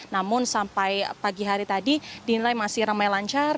namun sampai pagi hari tadi dinilai masih ramai lancar